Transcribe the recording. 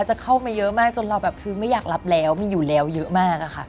จะเข้ามาเยอะมากจนเราแบบคือไม่อยากรับแล้วมีอยู่แล้วเยอะมากอะค่ะ